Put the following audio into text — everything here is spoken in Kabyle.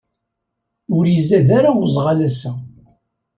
Ur izad ara uẓɣal ass-a.